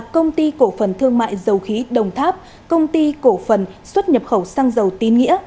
công ty cổ phần thương mại dầu khí đồng tháp công ty cổ phần xuất nhập khẩu xăng dầu tín nghĩa